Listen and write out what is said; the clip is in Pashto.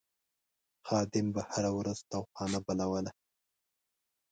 خادم به هره ورځ تاوخانه بلوله.